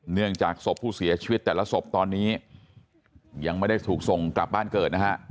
เนื่องจากศพผู้เสียชีวิตแต่ละศพตอนนี้ยังไม่ได้ถูกส่งกลับบ้านเกิดนะฮะ